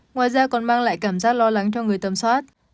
ngoài ra còn mang lại cảm giác lo lắng cho người tầm soát